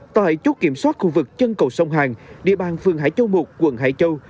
tại chốt kiểm soát khu vực chân cầu sông hàng địa bàn phường hải châu một quận hải châu